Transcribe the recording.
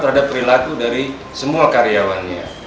terhadap perilaku dari semua karyawannya